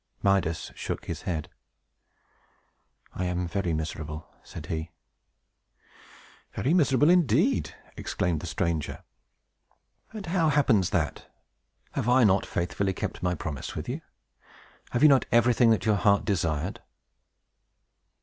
Midas shook his head. "I am very miserable," said he. "Very miserable, indeed!" exclaimed the stranger. "And how happens that? Have I not faithfully kept my promise with you? Have you not everything that your heart desired?"